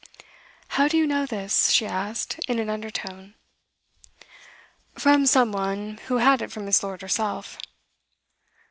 'How do you know this?' she asked, in an undertone. 'From some one who had it from Miss. Lord herself.